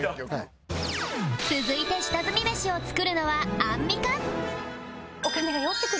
続いて下積みメシを作るのはアンミカ